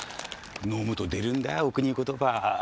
飲むと出るんだお国言葉。